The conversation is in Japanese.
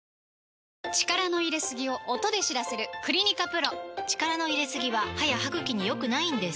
力の入れすぎを音で知らせる「クリニカＰＲＯ」力の入れすぎは歯や歯ぐきに良くないんです